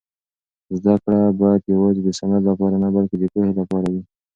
زده کړه باید یوازې د سند لپاره نه بلکې د پوهې لپاره وي.